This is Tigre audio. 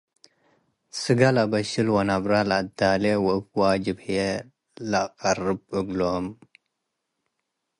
ስጋ ለአበሽል ወነብረ ለአትዳሌ ወእብ ዋጅብ ህዬ ለአቀርብ እግሎም ።